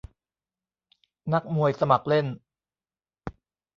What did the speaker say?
นักมวยสมัครเล่น